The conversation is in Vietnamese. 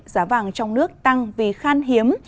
giá vàng trong nước tăng vì khan hiếm